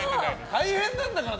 大変なんだから！